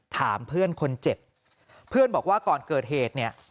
ถามเพื่อนคนเจ็บเพื่อนบอกว่าก่อนเกิดเหตุเนี่ย